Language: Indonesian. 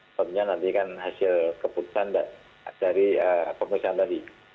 sebabnya nanti kan hasil keputusan dari pemeriksaan tadi